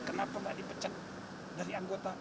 kenapa nggak dipecat dari anggota